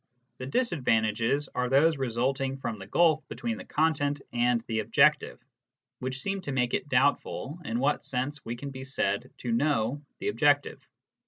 The disadvantages are those resulting from the gulf between the content and the objective, which seem to make it doubtful in what sense we can be said to " know " the objective.